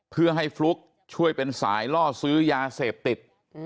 เพื่อให้ฟลุ๊กช่วยเป็นสายล่อซื้อยาเสพติด